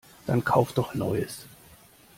Dann Kauf doch Neues!